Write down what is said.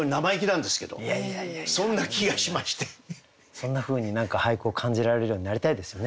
そんなふうに何か俳句を感じられるようになりたいですよね